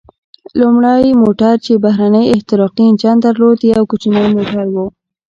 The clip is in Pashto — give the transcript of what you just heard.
لومړی موټر چې بهرنی احتراقي انجن درلود، یو کوچنی موټر و.